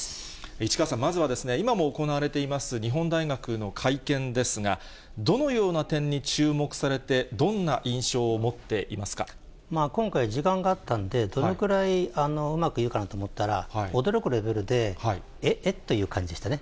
市川さん、まずは今も行われています日本大学の会見ですが、どのような点に注目されて、今回、時間があったんで、どのくらいうまく言うかなと思ったら、驚くレベルで、えっ、えっという感じでしたね。